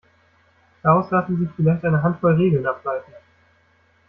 Daraus lassen sich vielleicht eine Handvoll Regeln ableiten.